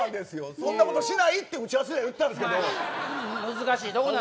そんなことしないって打ち合わせで言っていたんですけど。